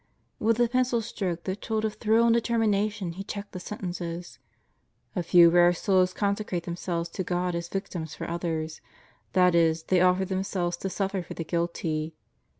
With a pencil stroke that told of thrill and determina tion he checked the sentence: "A few rare souls consecrate them selves to God as Victims for others; that is, they offer themselves to suffer for the guilty."